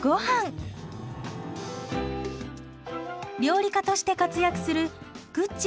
料理家として活躍するぐっち